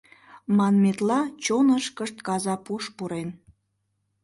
Манметла, чонышкышт каза пуш пурен.